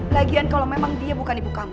lagian kalau memang dia bukan ibu kamu